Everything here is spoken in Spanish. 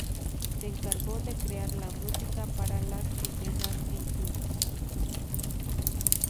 Se encargó de crear la música para las escenas en clubes.